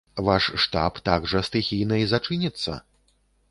Ваш штаб так жа стыхійна і зачыніцца?